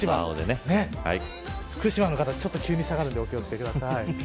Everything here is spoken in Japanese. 福島の方、急に下がるのでお気を付けください。